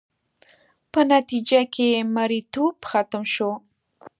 په نتیجه کې یې مریتوب ختم شو